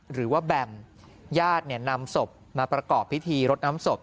แบมญาตินำศพมาประกอบพิธีรดน้ำศพ